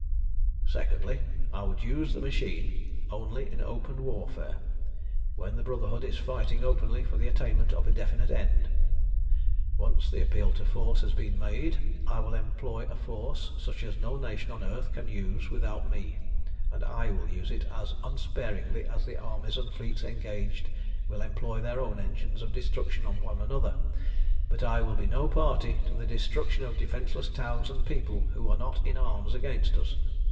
"Secondly, I would use the machine only in open warfare when the Brotherhood is fighting openly for the attainment of a definite end. Once the appeal to force has been made I will employ a force such as no nation on earth can use without me, and I will use it as unsparingly as the armies and fleets engaged will employ their own engines of destruction on one another. But I will be no party to the destruction of defenceless towns and people who are not in arms against us.